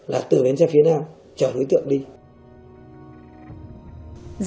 là từ bến xe phía nam chở đối tượng đi